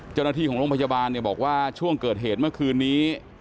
เจ้าหน้าที่ของโรงพยาบาลบอกว่าช่วงเกิดเหตุเมื่อคืนนี้